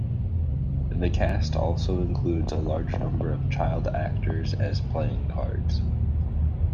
The cast also includes a large number of child actors as playing cards.